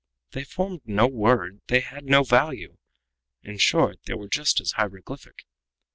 They formed no word; they had no value. In short, they were just as hieroglyphic.